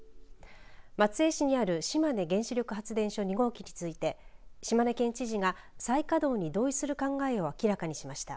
松江市にある島根原子力発電所２号機について島根県知事が再稼働に同意する考えを明らかにしました。